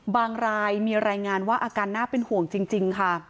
รายมีรายงานว่าอาการน่าเป็นห่วงจริงค่ะ